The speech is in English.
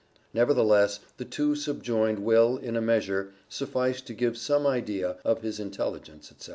Nevertheless the two subjoined will, in a measure, suffice to give some idea of his intelligence, etc.